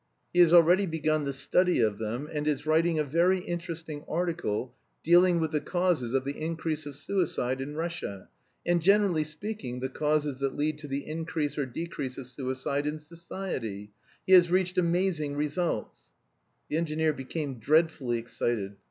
"He has already begun the study of them, and is writing a very interesting article dealing with the causes of the increase of suicide in Russia, and, generally speaking, the causes that lead to the increase or decrease of suicide in society. He has reached amazing results." The engineer became dreadfully excited.